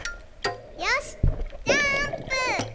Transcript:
よしジャーンプ！